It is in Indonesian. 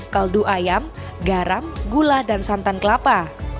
kaldu ayam garam gula dan santan kelapa